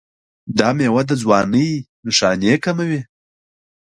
دا میوه د ځوانۍ نښانې کموي.